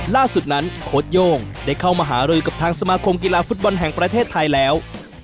ล่าสุดนั้นโค้ดโย่งได้เข้ามาหารือกับทางสมาคมกีฬาฟุตบอลแห่งประเทศไทยแล้ว